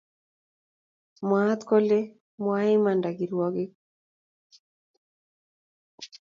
Mwaat kole mwoe imanda kirwokik